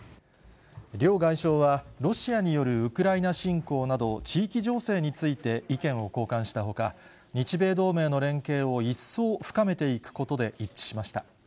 両外相はロシアによるウクライナ侵攻など、地域情勢について意見を交換したほか、日米同盟の連携を一層深めていくことで一致しました。